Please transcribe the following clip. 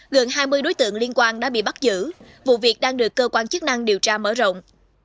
gần hai mươi đối tượng liên quan đã bị bắt giữ vụ việc đang được cơ quan chức năng điều tra mở rộng